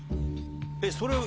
えっそれを。